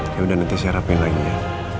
ya udah nanti saya rapin lagi ya